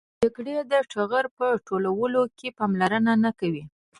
د جګړې د ټغر په ټولولو کې پاملرنه نه کوي.